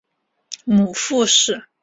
母傅氏。